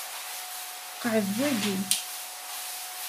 Qɛed waki.